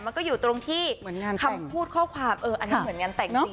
มันก็อยู่ตรงที่เหมือนงานแต่งคำพูดข้อความเอออันนั้นเหมือนงานแต่งจริง